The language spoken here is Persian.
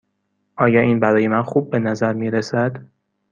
آیا این برای من خوب به نظر می رسد؟